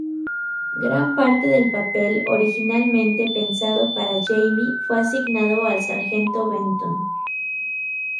Gran parte del papel originalmente pensado para Jamie fue asignado al Sargento Benton.